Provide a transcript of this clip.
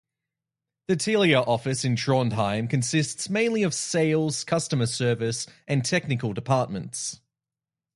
The Telia office in Trondheim consists mainly of sales, customer service and technical departments.